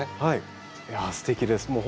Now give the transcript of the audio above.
いやすてきです。